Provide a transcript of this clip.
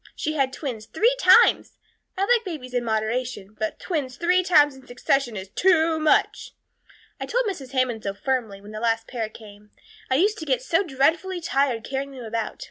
She had twins three times. I like babies in moderation, but twins three times in succession is too much. I told Mrs. Hammond so firmly, when the last pair came. I used to get so dreadfully tired carrying them about.